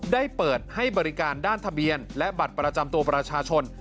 ได้เปิดให้บริการด้านทะเบียนและบัตรประจำตัวประชาชน